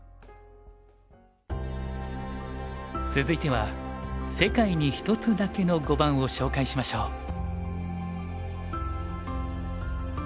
続いては世界に一つだけの碁盤を紹介しましょう。